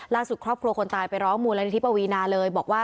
ครอบครัวคนตายไปร้องมูลนิธิปวีนาเลยบอกว่า